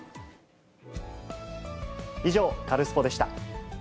以上、カルスポっ！でした。